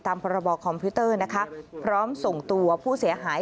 พรบคอมพิวเตอร์นะคะพร้อมส่งตัวผู้เสียหาย